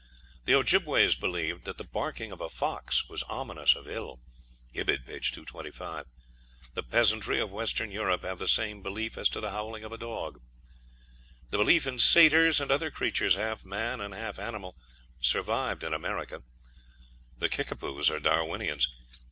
(Ibid., p. 259.) The Ojibbeways believed that the barking of a fox was ominous of ill. (Ibid., p. 225). The peasantry of Western Europe have the same belief as to the howling of a dog. The belief in satyrs, and other creatures half man and half animal, survived in America. The Kickapoos are Darwinians.